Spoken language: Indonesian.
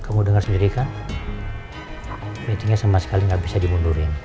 meetingnya sama sekali gak bisa dimundurin